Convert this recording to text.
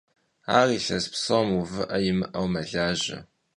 Ar yilhes psom vuvı'e yimı'eu melaje.